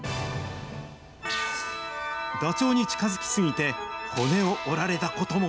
ダチョウに近づき過ぎて骨を折られたことも。